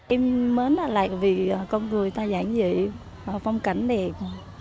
em mến lại vì con người ta giảng dị phong cảnh đẹp